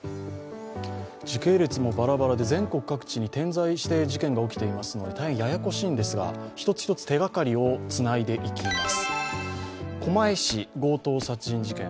時系列もバラバラで全国各地に点在して事件が起きていますので大変ややこしいんですが１つ１つ手がかりをつないでいきます。